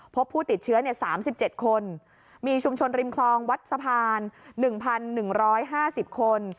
พบผู้ติดเชื้อ๓๗คนมีชุมชนริมคลองวัดสะพาน๑๑๕๐คน